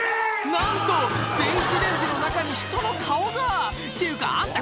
なんと電子レンジの中に人の顔が！っていうかあんた